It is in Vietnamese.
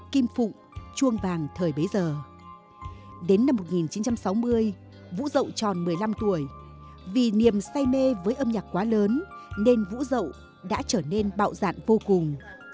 kỳ niềm say mê với âm nhạc quá lớn nên vũ rậu đã trở nên bạo dạn vô cùng